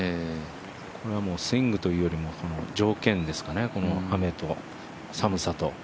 これはもうスイングというよりも条件ですかね、雨と寒さと。